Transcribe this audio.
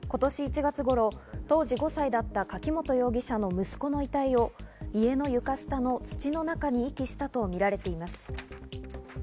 今年１月頃、当時５歳だった柿本容疑者の息子の遺体を家の床下の土の中に遺棄したとみられています。